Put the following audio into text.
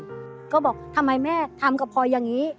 เขาก็บอกทำไมแม่ทำกับพายังงี้